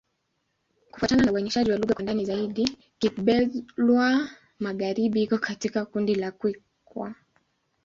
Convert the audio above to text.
Kufuatana na uainishaji wa lugha kwa ndani zaidi, Kigbe-Xwla-Magharibi iko katika kundi la Kikwa.